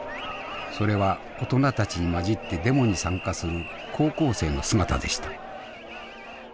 それは大人たちに交じってデモに参加する高校生の姿でした。